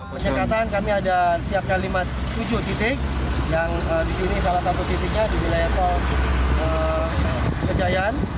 penyekatan kami ada siapkan lima tujuh titik yang di sini salah satu titiknya di wilayah tol kejayan